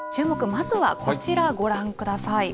まずはこちら、ご覧ください。